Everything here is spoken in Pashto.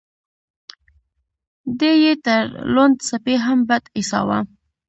دی يې تر لوند سپي هم بد ايساوه.